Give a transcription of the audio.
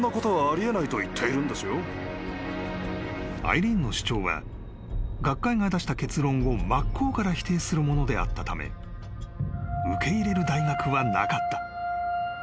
［アイリーンの主張は学会が出した結論を真っ向から否定するものであったため受け入れる大学はなかった］